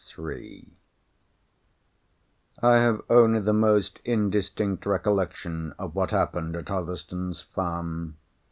CHAPTER III I have only the most indistinct recollection of what happened at Hotherstone's Farm.